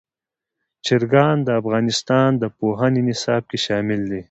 چرګان د افغانستان د پوهنې نصاب کې شامل دي.